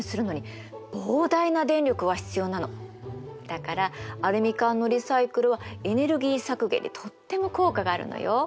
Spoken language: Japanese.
だからアルミ缶のリサイクルはエネルギー削減にとっても効果があるのよ。